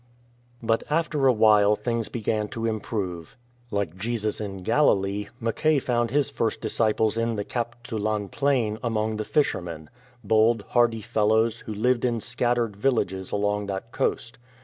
But after a while things began to improve. Like Jesus in Galilee, Mackay found his first disciples in the Kap tsu lan plain among the fishermen — bold, hardy fellows, who live in scattered villages along that coast.